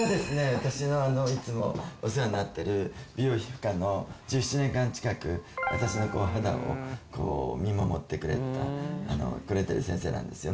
私がいつもお世話になってる美容皮膚科の１７年間近く私の肌を見守ってくれてる先生なんですよね。